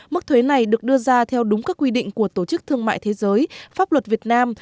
mức thuế này được đưa ra theo đúng các quy định của tổ chức thương mại thế giới pháp luật việt nam